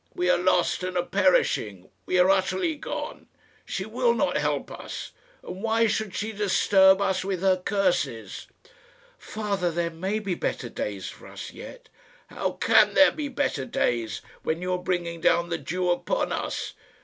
We are lost and are perishing. We are utterly gone. She will not help us, and why should she disturb us with her curses?" "Father, there may be better days for us yet." "How can there be better days when you are bringing down the Jew upon us?